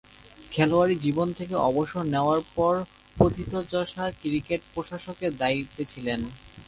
খেলোয়াড়ী জীবন থেকে অবসর নেয়ার পর প্রথিতযশা ক্রিকেট প্রশাসকের দায়িত্বে ছিলেন।